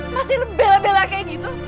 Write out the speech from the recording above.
masih bela bela kayak gitu